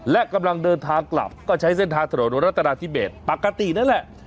และกำลังเดินทางกลับก็ใช้เส้นทางถนนรัฐนาธิเบสปกตินั่นแหละ